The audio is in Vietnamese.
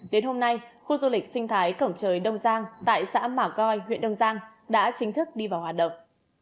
đến hôm nay khu du lịch sinh thái cổng trời đông giang tại xã mà coi huyện đông giang đã chính thức đi vào hoạt động